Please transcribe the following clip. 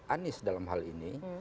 anis dalam hal ini